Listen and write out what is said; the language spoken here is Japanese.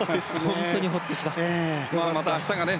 本当にほっとした。